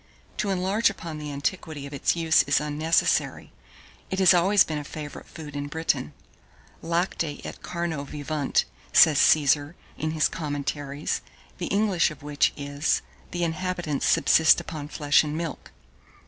To enlarge upon the antiquity of its use is unnecessary; it has always been a favourite food in Britain. "Lacte et carno vivunt," says Caesar, in his Commentaries; the English of which is, "the inhabitants subsist upon flesh and milk."